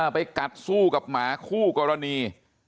ไปกัดสู้กับหมาคู่กรณี